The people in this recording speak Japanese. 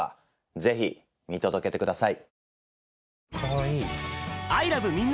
ぜひ見届けてください。